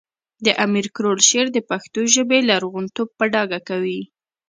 د امیر کروړ شعر د پښتو ژبې لرغونتوب په ډاګه کوي